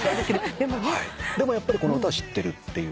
でもやっぱりこの歌は知ってるっていう。